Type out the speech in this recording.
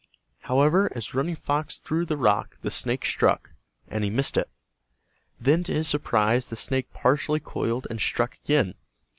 However, as Running Fox threw the rock the snake struck, and he missed it. Then to his surprise the snake partially coiled and struck again.